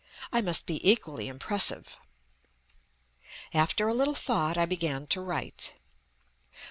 I must be equally impressive ... After a little thought I began to write.